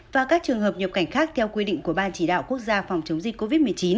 và các trường hợp nhập cảnh khác theo quy định của ban chỉ đạo quốc gia phòng chống dịch covid một mươi chín